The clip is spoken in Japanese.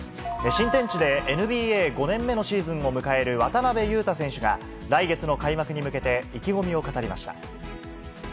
新天地でＮＢＡ５年目のシーズンを迎える渡邊雄太選手が、来月の開幕に向けて、意気込みを語りました。